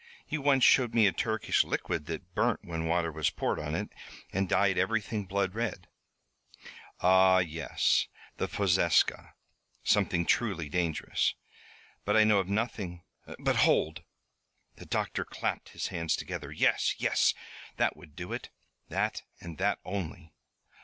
You once showed me a Turkish liquid that burnt when water was poured on it, and dyed everything blood red." "Ah, yes, the fozeska, something truly dangerous. But I know of nothing But hold!" The doctor clapped his hands together. "Yes! yes! That would do it, that and that only."